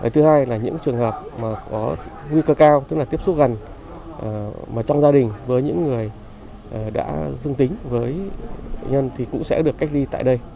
thứ hai là những trường hợp có nguy cơ cao tức là tiếp xúc gần trong gia đình với những người đã dương tính với bệnh nhân thì cũng sẽ được cách ly tại đây